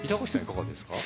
いかがですか？